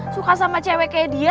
suka sama cewek kayak dia